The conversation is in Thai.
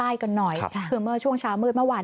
ภาคใต้กันหน่อยเหมือนเมื่อช่วงเฉ้ามืดเมื่อวาด